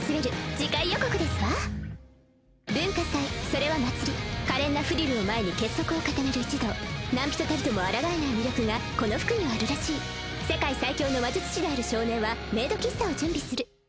次回予告ですわ文化祭それは祭り可憐なフリルを前に結束を固める一同何人たりともあらがえない魅力がこの服にはあるらしい「世界最強の魔術師である少年は、メイド喫茶を準備する」